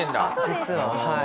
実ははい。